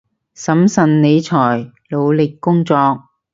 審慎理財，努力工作